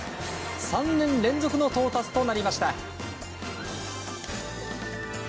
３年連続の到達となりました。